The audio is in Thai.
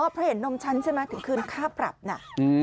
พอเห็นนมฉันใช่ไหมคืนค่าปรับน่ะ